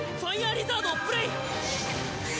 リザードをプレイ！